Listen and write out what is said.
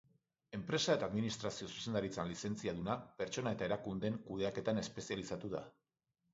Enpresa eta administrazio zuzendaritzan lizentziaduna, pertsona eta erakundeen kudeaketan espezializatu da.